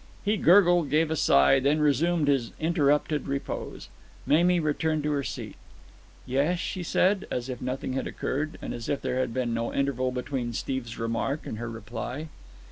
He gurgled, gave a sigh, then resumed his interrupted repose. Mamie returned to her seat. "Yes?" she said, as if nothing had occurred, and as if there had been no interval between Steve's remark and her reply.